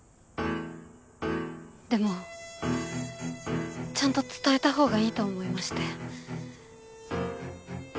でもちゃんと伝えた方がいいと思いまして。